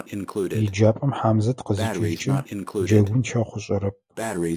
ЕджапӀэм Хьамзэт къызикӀыжькӀэ, джэгун щэхъу ышӀэрэп.